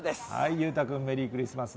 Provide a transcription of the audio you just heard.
裕太君、メリークリスマス。